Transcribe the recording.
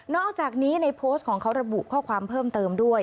อกจากนี้ในโพสต์ของเขาระบุข้อความเพิ่มเติมด้วย